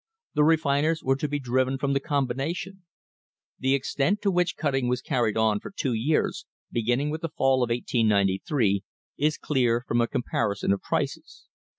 The refiners were to be driven from the combina tion. The extent to which cutting was carried on for two years, beginning with the fall of 1893, is clear from a com parison of prices.